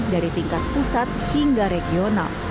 dari tingkat pusat hingga regional